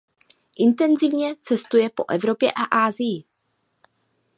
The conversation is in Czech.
Intenzivně cestuje po Evropě a Asii.